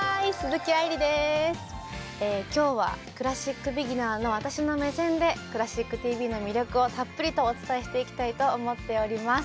今日はクラシックビギナーの私の目線で「クラシックＴＶ」の魅力をたっぷりとお伝えしていきたいと思っております。